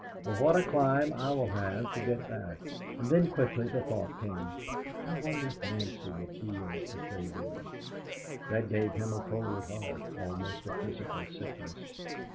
But what a climb I will have to get back!" And then quickly the thought came, "I wonder if Nancy will feel as they do?" That gave him a cold heart, almost a physical sickness.